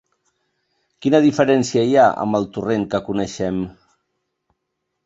¿Quina diferència hi ha amb el Torrent que coneixem?